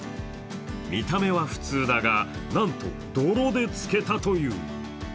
見た目は普通だが、なんと泥で漬けたという。